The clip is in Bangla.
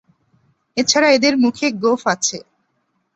এছাড়া এদের মুখে গোঁফ আছে।